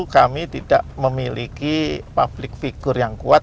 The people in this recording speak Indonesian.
kami tidak memiliki publik figur yang kuat